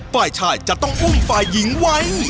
ฝ่ายชายจะต้องอุ้มฝ่ายหญิงไว้